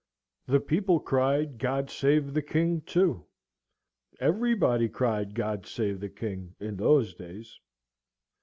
The people cried "God save the King," too. Everybody cried "God save the King" in those days.